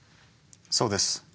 そうです。